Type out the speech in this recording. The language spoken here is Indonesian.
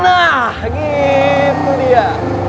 nahh gitu dia